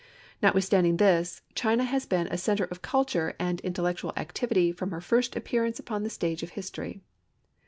Notwithstanding this, China has been a center of culture and intellectual activity from her first appearance upon the stage of history.